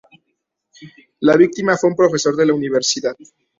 La víctima fue un profesor de la Universidad.